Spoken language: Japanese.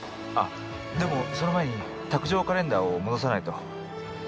あでもその前に卓上カレンダーを戻さないと。